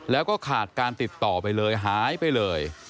แล้วก็ขาดการติดต่อไปเลยหายไปเลย